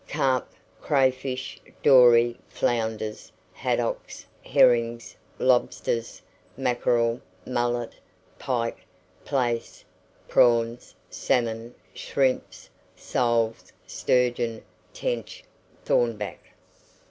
Carp, crayfish, dory, flounders, haddocks, herrings, lobsters, mackerel, mullet, pike, plaice, prawns, salmon, shrimps, soles, sturgeon, tench, thornback.